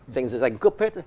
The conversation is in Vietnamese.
giành cướp hết